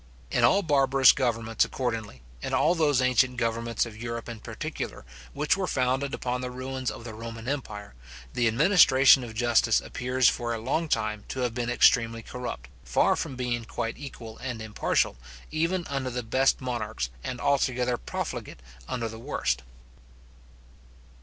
In all barbarous governments, accordingly, in all those ancient governments of Europe in particular, which were founded upon the ruins of the Roman empire, the administration of justice appears for a long time to have been extremely corrupt; far from being quite equal and impartial, even under the best monarchs, and altogether profligate under the worst.